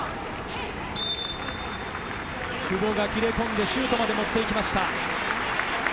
久保が切れ込んでシュートまで持っていきました。